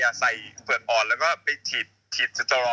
ไม่ทุกคนเป็นห่วงพี่ที่นิ้วพี่เจ็บ